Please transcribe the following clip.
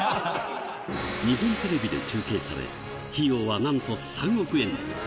日本テレビで中継され、費用はなんと３億円。